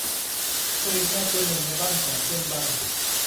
เธอเห็นแมวตัวหนึ่งในบ้านของเพื่อนบ้าน